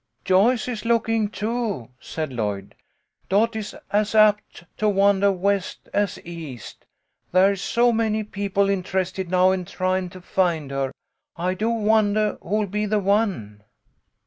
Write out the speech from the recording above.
"Joyce is lookin', too," said Lloyd. "Dot is as apt to wandah west as east. There's so many peo ple interested now in tryin' to find her. I do wondah who'll be the one."